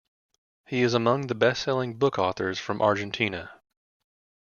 He is among the best selling book authors from Argentina.